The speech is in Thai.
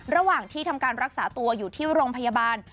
ระหว่างที่ทำการรักษาตัวอยู่ที่โรงพยาบาล